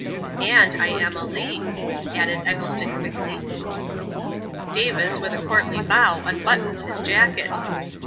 "And I am a Lee," added Eggleston quickly. Davis with a courtly bow unbuttoned his jacket.